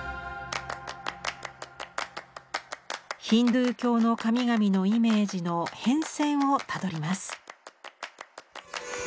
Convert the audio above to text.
ヒンドゥー教の神々のイメージの変遷をたどります。